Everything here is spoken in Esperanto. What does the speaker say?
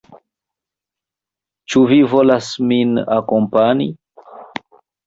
Ĉu vi volas min akompani?